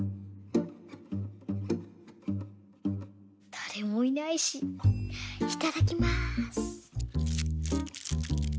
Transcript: だれもいないしいただきます。